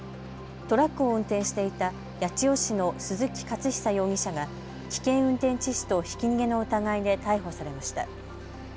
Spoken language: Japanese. トラックを運転していた八千代市の鈴木勝久容疑者が危険運転致死とひき逃げの疑いで逮捕されました。